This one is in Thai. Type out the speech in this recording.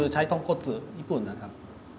ใช้ทองก็อทสุญี่ปุ่นครับ